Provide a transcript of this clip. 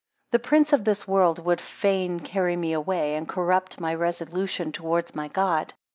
THE prince of this world would fain carry me away, and corrupt my resolution towards my God.